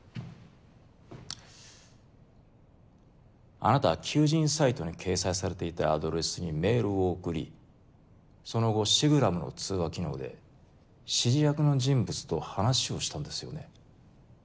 あなたは求人サイトに掲載されていたアドレスにメールを送りその後シグラムの通話機能で指示役の人物と話をしたんですよね？